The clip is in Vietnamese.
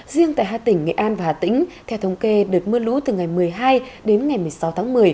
riêng tại hai tỉnh nghệ an và hà tĩnh theo thống kê đợt mưa lũ từ ngày một mươi hai đến ngày một mươi sáu tháng một mươi